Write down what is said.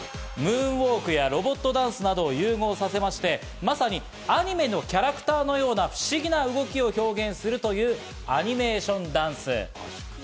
ムーンウォークやロボットダンスなどを融合させまして、まさにアニメのキャラクターのような不思議な動きを表現するというアニメーションダンス。